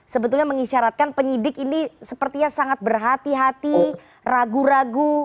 sebetulnya mengisyaratkan penyidik ini sepertinya sangat berhati hati ragu ragu